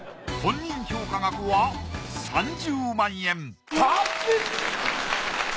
本人評価額は３０万円